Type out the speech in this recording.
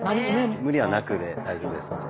「無理はなく」で大丈夫ですので。